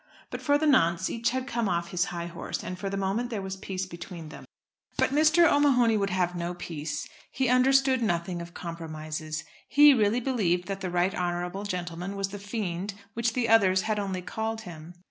But for the nonce each had come off his high horse, and for the moment there was peace between them. But Mr. O'Mahony would have no peace. He understood nothing of compromises. He really believed that the Right Honourable gentleman was the fiend which the others had only called him.